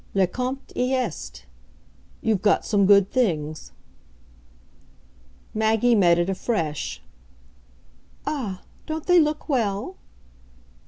"Le compte y est. You've got some good things." Maggie met it afresh "Ah, don't they look well?"